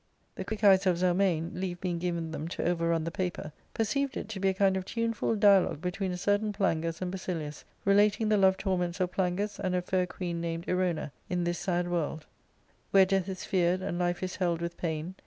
'' The quick eyes of Zelmane, leave being given them to over run the paper, perceived it to be a kind of tuneful dialogue between a certain Plangus and Basilius, relating the love torments of Plangus and a fair queen named Erona, in this sad world, *■*• Where death is fear'd and life is held with pain.